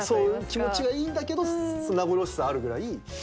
気持ちがいいんだけど名残惜しさあるぐらい。